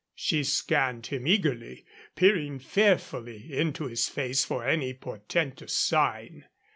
She scanned him eagerly, peering fearfully into his face for any portentous sign.